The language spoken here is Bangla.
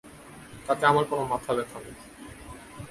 তাতে আমার কোনো মাথাব্যথা নেই।